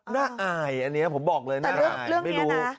น่าอายอันนี้ผมบอกเลยน่าอายไม่รู้